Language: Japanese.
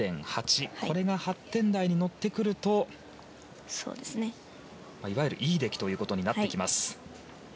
これが８点台に乗ってくればいわゆるいい出来となってきます。